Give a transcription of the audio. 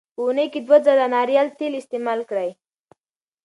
په اونۍ کې دوه ځله ناریال تېل استعمال کړئ.